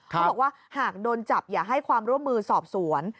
เขาบอกว่าหากโดนจับอย่าให้ความร่วมมือสอบสวน